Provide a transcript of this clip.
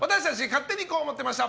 勝手にこう思ってました！